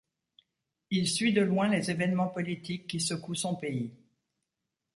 Il suit de loin les évènements politiques qui secouent son pays.